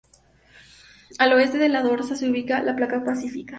Al Oeste de la dorsal se ubica la Placa Pacífica.